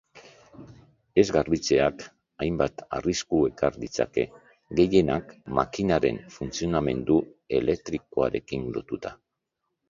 Ez garbitzeak hainbat arrisku ekar ditzake, gehienak makinaren funtzionamendu elektrikoarekin lotuta.